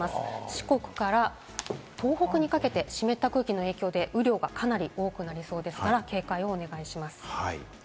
四国から東北にかけて湿った空気の影響で雨量がかなり多くなりそうですから警戒をお願いします。